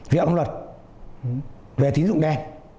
viện công luật về tín dụng đen